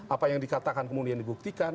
apa yang dikatakan kemudian dibuktikan